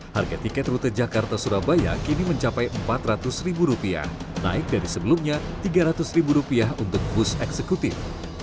harga tiket rute jakarta surabaya kini mencapai rp empat ratus naik dari sebelumnya rp tiga ratus untuk bus eksekutif